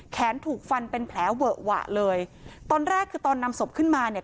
แขนถูกฟันเป็นแผลเวอะหวะเลยตอนแรกคือตอนนำศพขึ้นมาเนี่ย